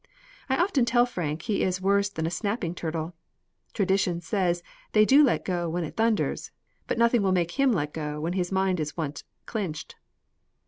I often tell Frank he is worse than a snapping turtle. Tradition says they do let go when it thunders, but nothing will make him let go when his mind is once clinched."